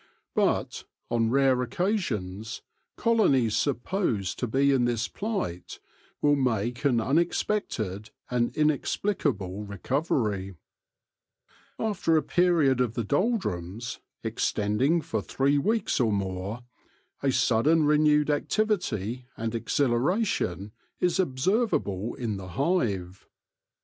But, on rare occasions, colonies supposed to be in this plight will make an THE GENESIS OF THE QUEEN 77 unexpected and inexplicable recovery. After a period of the doldrums, extending for three weeks or more, a sudden renewed activity and exhilaration is observ able in the hive.